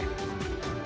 pergi ke atas